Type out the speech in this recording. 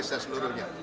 semoga target seluruhnya